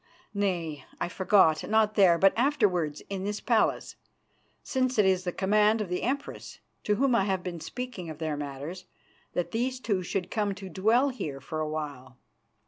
Nay, I forgot, not there, but afterwards in this palace, since it is the command of the Empress, to whom I have been speaking of their matters, that these two should come to dwell here for a while.